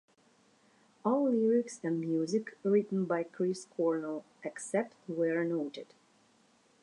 All lyrics and music written by Chris Cornell, except where noted.